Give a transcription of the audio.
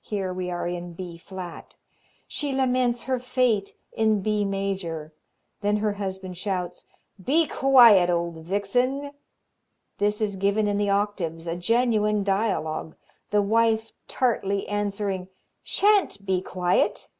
Here we are in B flat. She laments her fate in B major. Then her husband shouts: "Be quiet, old vixen." This is given in the octaves, a genuine dialogue, the wife tartly answering: "Shan't be quiet."